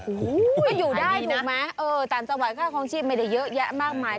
อู้วอยู่ได้ถูกไหมตามสวัสดีค่าของชีพไม่ได้เยอะแยะมากมาย